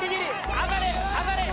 上がれ上がれ。